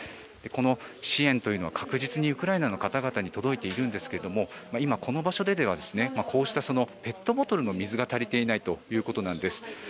この支援というのは確実にウクライナの方々に届いているんですけれども今、この場所でではこうしたペットボトルの水が足りていないということなんです。